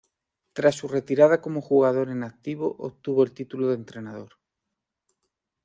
Tras su retirada como jugador en activo obtuvo el título de entrenador.